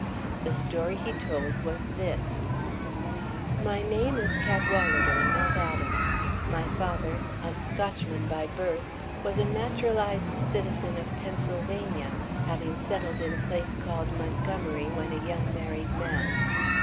The story he told was this: "My name is Cadwalader, not Adams. My father, a Scotchman by birth, was a naturalized citizen of Pennsylvania, having settled in a place called Montgomery when a young married man.